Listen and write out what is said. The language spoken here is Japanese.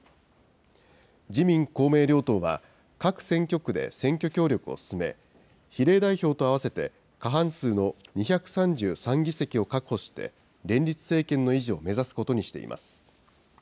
自民、公明両党は、各選挙区で選挙協力を進め、比例代表と合わせて過半数の２３３議席を確保して、連立政権の維持を目指すことにしています。